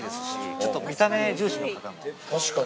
ちょっと見た目重視の方も。